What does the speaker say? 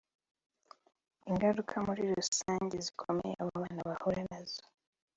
Ingaruka muri rusange zikomeye abo bana bahura nazo